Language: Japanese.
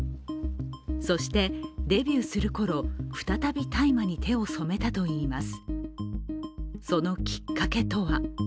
そして、デビューするころ、再び大麻に手を染めたといいます。